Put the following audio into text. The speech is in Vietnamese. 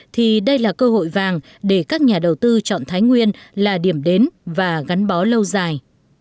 thì đây là cơ hội vàng để các nhà đầu tư chọn thái nguyên là điểm đến và gắn bó lâu dài